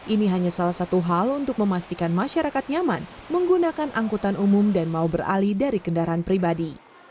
ini hanya salah satu hal untuk memastikan masyarakat nyaman menggunakan angkutan umum dan mau beralih dari kendaraan pribadi